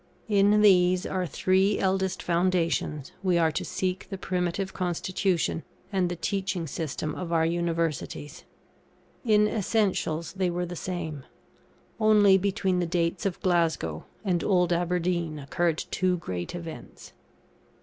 In these our three eldest foundations, we are to seek the primitive constitution and the teaching system of our Universities. In essentials, they were the same; only between the dates of Glasgow and Old Aberdeen occurred two great events.